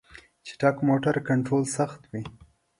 چټک موټر کنټرول سخت وي.